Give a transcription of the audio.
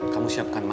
kamu siapkan makan